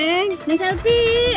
ada neng selfie nya